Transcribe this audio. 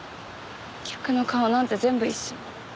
客の顔なんて全部一緒。